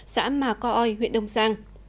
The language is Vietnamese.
xã mà co oi huyện đông giang